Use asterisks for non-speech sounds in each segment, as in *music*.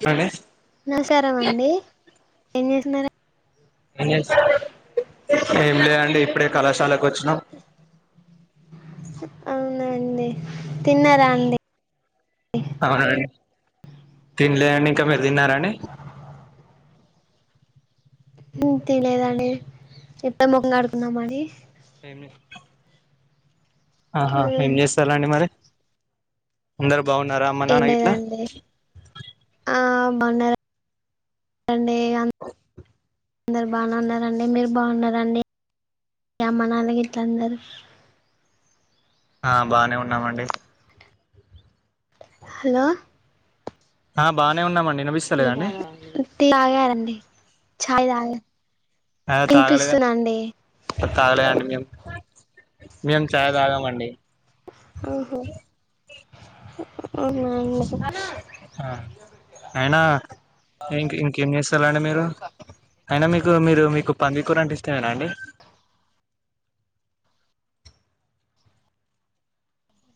స నమస్ారమ అండి ఎం స్ ఏం లేండి ఇప్పుడే కళాశాలకు వచ్చ *unintelligible* ప్రష్ణ అవునండి తిన్నారా అండి అవున తిన్లని ఇ మీరుదిన్నారాణ తెలేదండి ఎప్పుడు ముఖంగా ఆడుకున్నాంని ఏమి ఆహా ఏం చేస్తారాండి మరి అందరు బాగున్నారా అమ్మ నానా ఇట్లా బాగున్నారుడి అందరు బాగాన్నడి మీరు బాగున్నారంండి అమ్మ నాన్న ఇట్లాందరు ఆ బానే ఉన్నామండి హలో ఆ బాగానే ఉన్నామండి వినిపిస్తలేదండి తగని అంది చాయ దాల అద తాగలేద తాగలే అండి మేము మేము ఛాయ తాగామండి ఆహో అవున్నా అయినా ఇం ఇంకేం చేస్తారాండి మీరు అయినా మీకు మీరు మీకు పంది కూర అంట ఇస్తమేనా అండి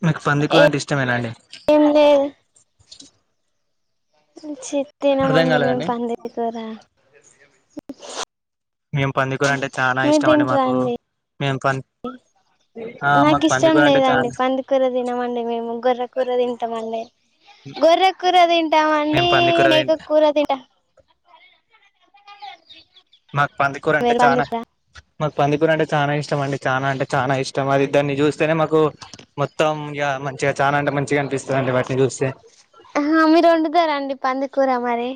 మీకు పంది కూర అంటే ఇష్టం ఎనా అండి ఏం అ *unintelligible* అర్థం చిత్తినమండి మేము కాలేదండి పందించకోరా *inaudible* మేము పందికూర అంటే చాలా మీ ఇష్టం తింటరా మాకు అండి మేము పం ఆ మాకు నాకు ఇష్టం పందికూర అంటే లేదండి చాలా పందికూర తినమండి మేము గొర్ర కూూర తింటామ అండి గొర్ర కూూర తింటామండి మేము పందికూర మేక తింటా కూూర తింటా మాకు పందుకూర అంటే మీరు చనా పందికూర మాకు పందిపుూర అంటే చాలా ఇష్టం అండి చానాఅంటే చానా ఇష్టం అది దాన్ని చూస్తేనే మాకు మొత్తం ఇ మంచిగా చాలా అంటే మంచిగా అనిపిస్తుంది అండి వాటిని చూస్తే ఆ మీరు వండుతారంండి పందుకూర మరి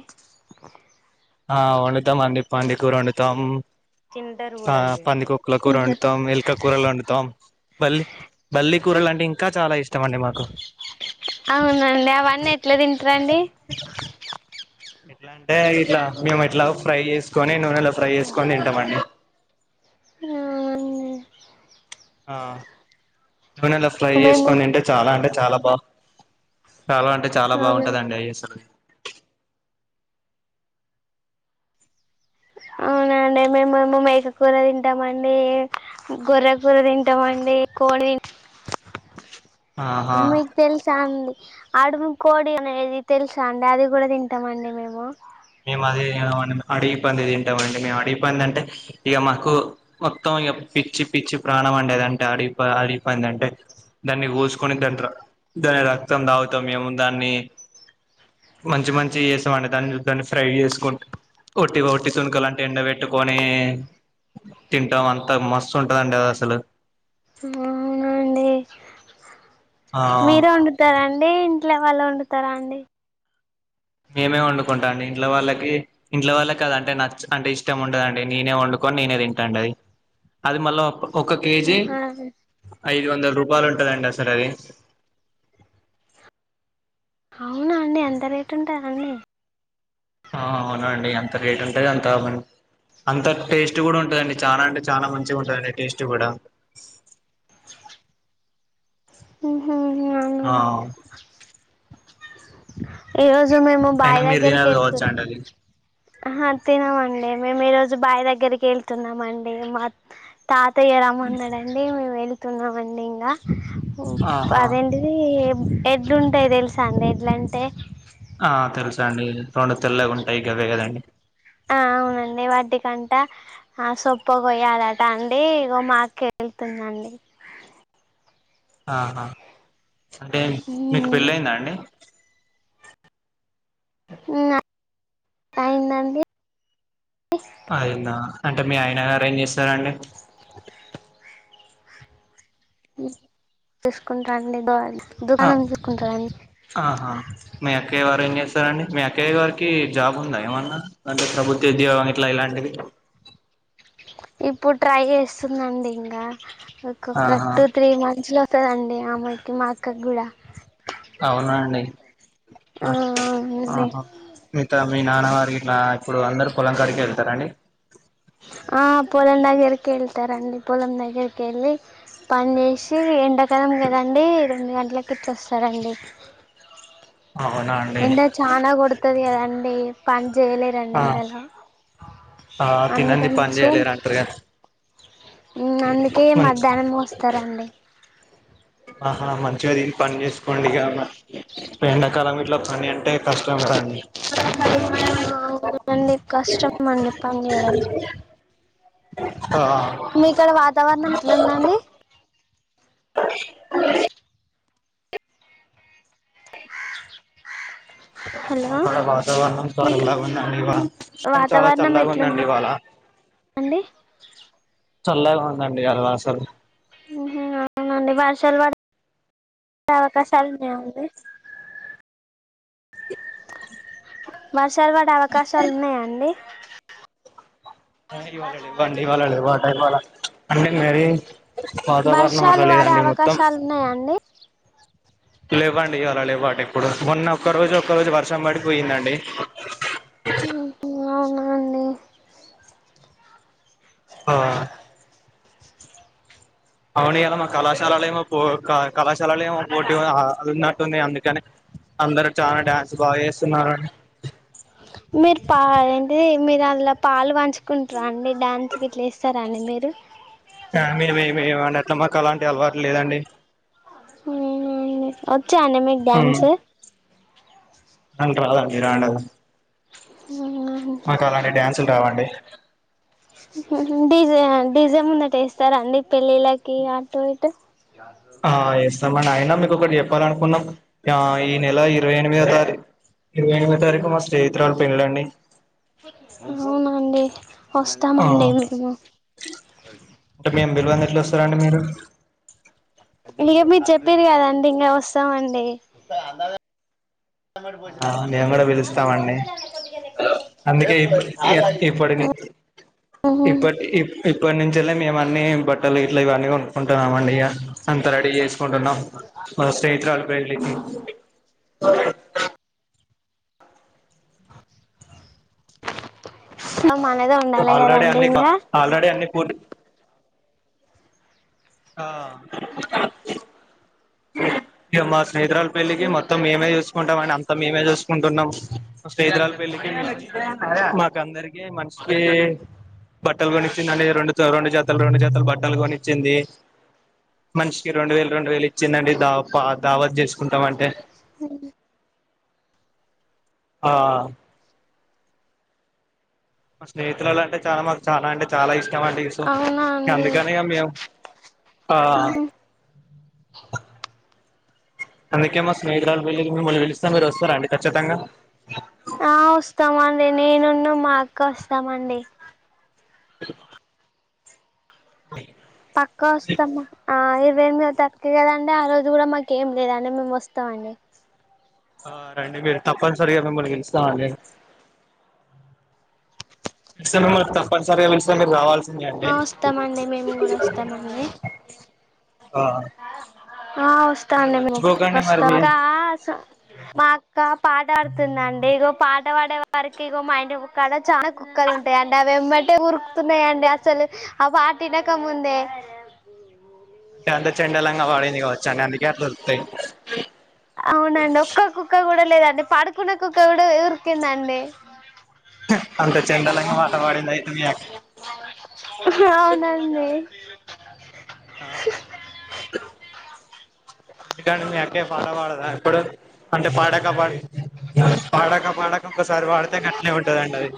ఆ వండుతాం అందిడి పండకూరు వండుతాం ఆ పంది కొక్కల కూర తింటార వండుతాం ఎలుక కూూరలు వండుతాం బల్లి బల్లి కూరలు అంటే ఇంకా చాలా ఇష్టం ఇస్తమండి మాకు అవునండి అవన్నీ ఎట్లా తింటారుండి ఎట్లా అంటే ఇట్లా మేము ఎట్లా ఫ్రై చేసి తీసుకొని నూనెలో ఫ్రై చేసుకొని తింటామండి అవునండి నేను అలా ఫ్రై మేము చేసుకోని అంటే చాలా అంటే చాలా బా చాలా అంటే చాలా అవును బాగుంటుందండి ఐఎస్ఎల్ అవునండి మేముేమ మేకకూర తింటామండి గొర్ర కూూర తింటామండి కోడి తింట ఆహా మీకు తెలుసా అండి అడువి కోడి అనేది తెలుసా అండి అది కూడా తింటామండి మేము మేము అదే అడిగి పంది తింటామండి మేము అడిగి పంది అంటే ఇక మాకు మొత్తం ఇ పిచ్చి పిచ్చి ప్రాణం అండేది అంటే అడిగి అడిగిపోయింది అంటే దాన్ని కోసుకొని దాని దాని రక్తం దాగుతాం మేము దాన్ని మంచి మంచి చేస్తామ అండి దాన్ని దాన్ని ఫ్రై చేసుకుంట ఒట్టిగా ఒట్టి తునుకలు అంటే ఎండ పెెట్టుకొని తింటాం అంతా మస్తు ఉంటుందండి అది అసలు అవునండి ఆ మీరే వండుతారండి అండి ఇంట్లో వాళ్ళు వండుతారా అండి మేమే వండుకుంటా అండి ఇంట్ల వాళ్ళకి ఇంట్ల వాళ్ళకి కద అంటే నచ్చ అంటే ఇష్టం ఉండదండి నేనే వండుకని నేనే తింటాండి అది అది మళ్ళీ ఒక కేజీ ఆహా ఐదు వందల రూపాయలు ఉంటుందండి అసార్ అది అవునా అండి ఎంత రేటు ఉంటుందంీ ఆ అవునండి అంత రేట్ ఉంటంది అంత మ అంత టేస్ట్ కూడా ఉంటుందండి చాలా అంటే చాలా మంచిగా ఉంటుందిండి టేస్ట్ కూడా ఆహ ఆ ఏ రో మేము అయినా బావి్ మీరు దగ్గరిక తినరు కావచ్చా అండి అది వెళ్తున్నాం తినమండి మేము ఈ రోజు బాయ్ దగ్గరికి వెళ్తున్నామ అండి మా తాతయ్య రమ్మందాడండి మే వెళ్ళి తండవడిడింద ఆహా అదేంటిది ఎడ్లుంటాయి తెలుస అండి ఎడ్లంటే కానీ రెండు తెల్లగా ఉంటాయి గవే కదండి ఆ అవునండి వాటి కంటా సొప్ప కొయాలట అండి ఇగో మాక్క వెళ్తుందండి ఆహా అదే మీకు పెళ్ళ అయిందా అండి *inaudible* కాందండి అవుంద అంటే మీ ఆయన అరేంజ్ చేస్తా సరండి తీసుకుంటాండి గ అ ఆహా మియక్క యవ్వారేంజేస్తాంది మి అక్కయ్యేగ. కి జాబుందా ఏమన్న అంటె ప్రభుత్య ఉద్యోగం ఇట్ల ఇలాంటివి. ఇప్పుడ్ ట్రై చేస్తుందండి ఇంగ. ఆహా ఒక్కొక్కట్టు త్రీ మంత్స్లొ. తదండి ఆమాయ్కి మా అక్కక్ గూడా. ఔనా అండి. అ ఆ అవునండి ఆహ మితా మీ నాన్న వారికి. నా ఇప్పుడు అందరు పొలంకాడికెళ్తారా అండి. ఆ పొలం దగ్గరికెళ్తరండి పొలం దగ్గరికెళ్ళి పన్జేషి ఎండక్. త్యామ్ గదండి *unintelligible* ల కిడ్సొస్తారండి. అవునా అండి ఎండ చానా కొడ్తది గదండీ. పండ్ జేయలేరండి ఆ ఎండల ఆ తినంది పని అందుకనేషే మేమ్ చేయలేరంటారు కదా ఉమ్ అందుకే మంచి మధ్యానమూ వస్తరండి. ఆహా మంచిగ ది. పన్ జేస్కోండిగేమన్న ఎండకాలమిట్ల పని అంటే కష్టం గదండి. అ ఔనండి కష్టం అండి పన్ జేయడం ఆ మీకాడ వాతావరణం ఎట్లుందండి. హలో మాకాడ వాతావరణం మీకు చల్లగుందండి ఇవాల *unintelligible* చాలా వాతావరణం చల్లగుందండి ఎట్లుందండి ఇవాళ. చల్లగ ఉందండి ఇయాల అసలు. ఉహూ ఔనండి వర్షాల్ పడె అవకాశాలున్నాయ అండి వర్షాల్ పడే అవకాశాలున్నయ అండి. ఇవాళ లెవ్వండి ఇవాళ లెవ్వ లెవ్వాల అండె మెరి వాతావరణం వర్షాలు అట్ల పడే లేదండి మొత్తం. అవకాశాలు ఉన్నాయా అండి లెవ్వండి ఇవాలా లెవ్వటెప్పుడు మొన్న ఒక్క రోజు ఒక్క రోజు వర్షం పడి పోయ్యిందండి. ఉహూ ఔనా అండి. ఆ ఔనియ్యాలా మన కళాశాలలేమో పోర్ క కళాశాలలేమో పోటీవ అ అదున్నట్టుంగి అందుకనే. అందరు చాలా డ్యాన్స్ బాగేస్. తున్నారు. మీర్ పా ఏంటి మీరదులో పాలు పంచుకుంట్రా అండి డ్యాన్స్ గిట్లేస్తరా అండి మీరు. అ మేమేమెయ్యమండ. త మకలాంటి అలవాట్ లేదండి. ఉమ్ *unintelligible* ఒచ్చా అండి మీక్ డ్యాన్స్. అంట రాదా రండ మాకు అలాండి డ్యాన్సులు కావండి *inaudible* డిజ డిజై ముందటేస్తారాండి పెళ్ళిళ్ళకి అటు ఇటు ఆ ఏస్తామండి అయినా మీకు ఒకటి చెప్పాల అనుకున్నా ఆ ఈ నెల ఇరవై ఎనిమిదో తారీఖ ఇరవై ఎనిమిది తారీఖు మా స్నేహిరాలీ పెళ్ళండి అవునా అండి ఆ అంటే మేం పిలవందే ఎట్లా వస్తారండీ మీరు ఇంక మీరు చెప్పిర్రు కదండి ఇంకా వస్తామండి ఆ మేము కూడా పిలుస్తామండి అందుకే ఇప్పు ఆహా ఇప్పటి ఇప్పటి ఇప్పటి నుంచే మేము అన్ని బట్టలు ఇట్ల ఇవన్న కొను కుంటున్నాం అండి ఇక అంత రెడీ చేసుకుంటున్నాం మన స్నేహితురాలు పెళ్లికి మనదే ఉండాలి ఆల్రెడీ కదండి అన్ని ఇంకా ఆల్రెడీ అన్ని ప ఆ ఇక మా స్నేహితురాలి పెళ్లికి మొత్తం మేమె చూసుకుంటుంది కుంటాం అండి అంతా మేమే చసుకుంటున్నాం స్నేహితురాలు పెళ్లికి అందరికి మనిషికి బట్టలు కొనిచ్చింది అ రెండు రెండు జాతలు రెండు జాతాలు బట్టలు కొనిచ్చింది మనిషికిి రెండు వేలు రెండు వేలు ఇచ్చిందండి దా దావత్ చేసుకుందామంటే అ ఆ స్నేహితురలా అంటే చాలా మాకు చాలా అంటే చాలా ఇష్టం అండి సో అవునా అండి అందుకని మేము ఆ అందుకేమ స్నేహితురాలు వెళ్ళి మిమల్ని పిలిస్తే మీరు వస్తార అండి ఖచ్చితంగా ఆ వస్తామండి నేనున్న మా అక్క వస్తామండి హలో పక్కా వస్తాము తక్కువ కదండి ఆ రోజు కూడా మాకు ఏం లేదంటే మేము వస్తామండి రండి మీరు తప్పనిసరిగా మిమ్మల్ని పిలుస్తాం అండి మిమ్మల్ని తప్పనిసరిగా మిమ్మల్ని పిలుస్తాం మీరు రావాల్సి ఆ వస్తామండి మేము కూడా వస్తామండి ఆ ఆ మరి వస్తాండి మేము మర్చిపోకండి మరి వస్తాం మీ మా అక్క పాట ఆడుతుందండి ఈగో పాట పాడే వారికి మా ఇంటి కుక్కడ చాలా కుక్కలు ఉంటాయి అండి అవి వెంమటే ఉరుకుతున్నాయిండి అసలు ఆ పాటినకముందే అంటే అ చెండాలంగా వాడంది కావచ్చా అండి అందుకేలా దొరుకుతాయి అవునండి ఒక్కకుక్క కడ లేదండి పడుకున్న కుక్క కడా ఉరికిందండి అంత చెండాలంగా పాట వాడింద అయితే మీక అవునండి ఆ ఎందుకండి మీ అక్కే పాడ వాడదా ప్పుడు అంటే పాడక పాడ పాడక పాడక కసారి వాడితే కట్నే ఉంటదడిది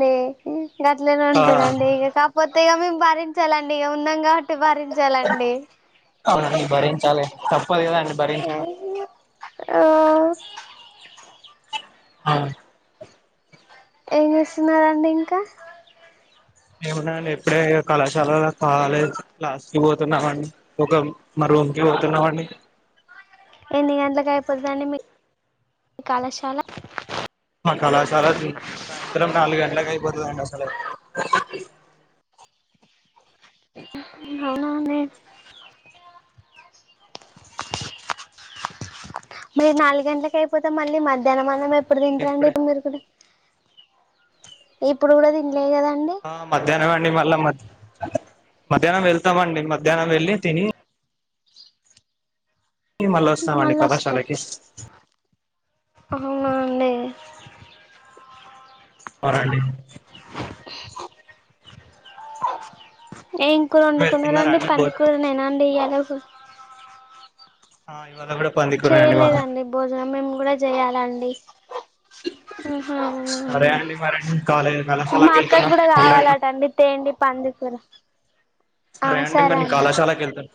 అ గట్ల ఉంటదండి ఇగ కాక్పొ ఇ మేం బారించాలండి ఇగ అందంగా అట్టి బరించాలండి పోది కదా అండి బర ఆ హ ఎం చేస్సన్నారండింకా ఏమనండి ఎప్పుడే కళాశాల కాలేజ్ క్లాస్ కి పోతున్నామండి ఒక మ రూమ్ కి పోతున్నామండి ఎన్ని గంట్లకు అయిపోతుందండి మీ కళాశాల కళాశాల ఇ నాలుగుఘంటలా కా పతుడి సడ *inaudible* మీరు నాలుగు గంటలకి అయిపోతే మళ్ళీ మధ్య నం మనం ఎప్పుడు తింటారుండి ఇప్పుడే ఇప్పుడు మీరు కూడా ఇప్పుడ్ కూడా ది ఆ మధ్యాహ్నమ్ మళ్ళా మ మధ్యాహ్నం వెళ్తామండి మధ్యాహ్నం వెళ్ళి తిని మళ్ళొస్తామండి కళాశాలకి హవునాండి నండి మీరు తిన్నారా ఏంకూరొండుకున్నన్నారుండి అండి భో పందికూరు నేనా అండి ఇయ్యాలగ్ సర్ ఆ ఇవాళ కూడా పందికూర అండి మాకు చేయలేదండి భోజనం మేము కూడా చేయ్యాలండి సరే అండి మరి నేను కాలేజ్ మా కళాశాలకు అక్కకి వెళ్తున్నా కూడా మళ్ళీ కావాలటండి తేండి *unintelligible* సరే అండి మరి నీ కళాశాలాకు వెళ్తాను